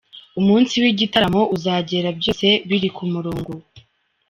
Umunsi w’igitaramo uzagera byose biri ku murongo.